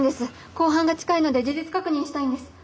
公判が近いので事実確認したいんです。